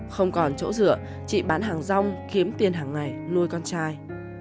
không còn chỗ rửa chị bán hàng rong kiếm tiền hàng ngày nuôi con trai